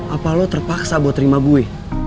apa lo terpaksa buat terima gue